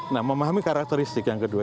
nah memahami karakteristik yang kedua